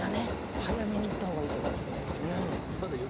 早めに行ったほうがいいと思うよ。